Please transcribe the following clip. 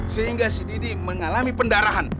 sehingga si didi mengalami pendarahan